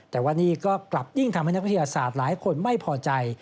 แต่ว่านี่ก็กลับยิ่งทำให้นักวิทยาศาสตร์หลายคนไม่พอใจ